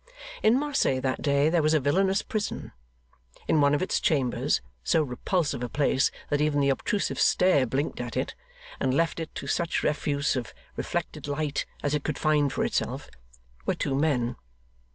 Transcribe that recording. In Marseilles that day there was a villainous prison. In one of its chambers, so repulsive a place that even the obtrusive stare blinked at it, and left it to such refuse of reflected light as it could find for itself, were two men.